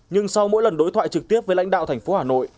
nhưng sau mỗi lần đối thoại trực tiếp với lãnh đạo thành phố hà nội